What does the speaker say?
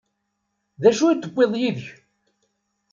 D acu i d-tewwiḍ yid-k?